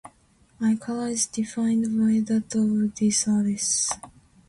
Eye color is defined by that of the iris.